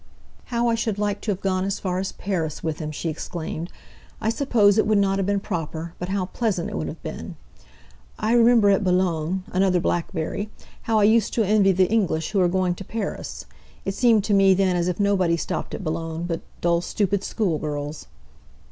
"How I should like to have gone as far as Paris with him!" she exclaimed. "I suppose it wouldn't have been proper; but how pleasant it would have been! I remember at Boulogne" (another blackberry), "how I used to envy the English who were going to Paris; it seemed to me then as if nobody stopped at Boulogne, but dull, stupid school girls."